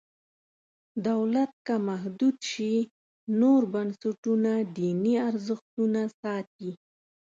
دولت که محدود شي نور بنسټونه دیني ارزښتونه ساتي.